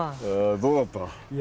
どうだった？